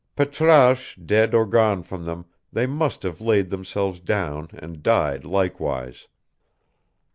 Patrasche dead or gone from them, they must have laid themselves down and died likewise.